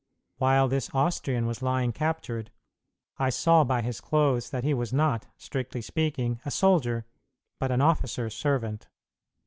While this Austrian was lying captured, I saw by his clothes that he was not, strictly speaking, a soldier, but an officer's servant.